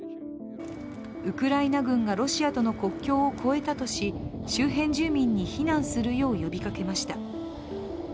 ウクライナ軍がロシアとの国境を越えたとし周辺住民に避難するよう呼びかけました。